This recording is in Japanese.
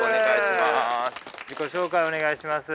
自己紹介をお願いします。